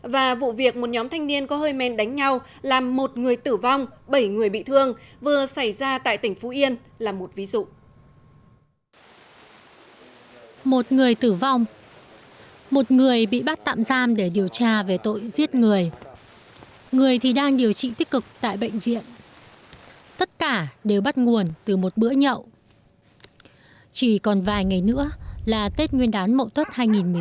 và vụ việc một nhóm thanh niên có hơi men đánh nhau làm một người tử vong bảy người bị thương vừa xảy ra tại tỉnh phú yên là một ví dụ